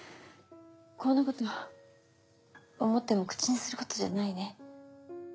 こんなこと思っても口にすることじゃないね。